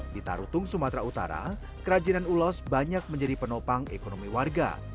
di tarutung sumatera utara kerajinan ulos banyak menjadi penopang ekonomi warga